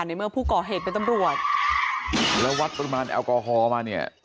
ในเมื่อผู้ก่อเหตุเป็นตำรวจแล้ววัดปริมาณแอลกอฮอล์มาเนี่ย